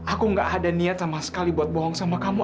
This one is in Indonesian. aku gak ada niat sama sekali buat bohong sama kamu